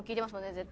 絶対。